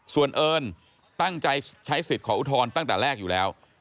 ส่วนเอิญตั้งใจใช้สิทธิ์ขออุทธรณ์ตั้งแต่แรกอยู่แล้ว